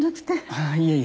ああいえいえ。